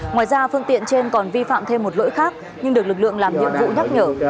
ngoài ra phương tiện trên còn vi phạm thêm một lỗi khác nhưng được lực lượng làm nhiệm vụ nhắc nhở